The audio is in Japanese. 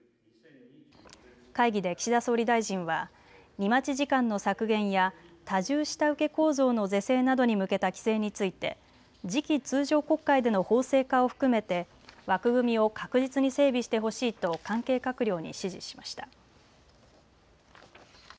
会議で岸田総理大臣は荷待ち時間の削減や多重下請け構造の是正などに向けた規制について次期通常国会での法制化を含めて枠組みを確実に整備してほしいと関係閣僚に指示しました。